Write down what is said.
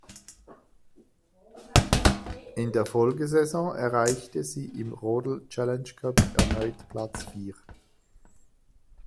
In der Folgesaison erreichte sie im Rodel Challenge-Cup erneut Platz vier.